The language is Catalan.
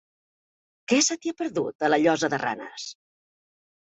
Què se t'hi ha perdut, a la Llosa de Ranes?